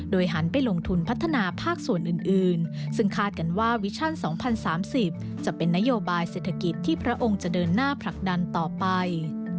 หันไปลงทุนพัฒนาภาคส่วนอื่นซึ่งคาดกันว่าวิชั่น๒๐๓๐จะเป็นนโยบายเศรษฐกิจที่พระองค์จะเดินหน้าผลักดันต่อไป